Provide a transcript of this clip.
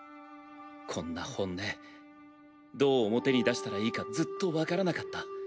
こんな本音どう表に出したらいいかずっと分からなかった。